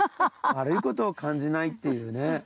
悪いことを感じないというね。